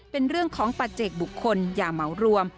เป็นเรื่องของปัจเจกบุคคลอย่าเหมารวม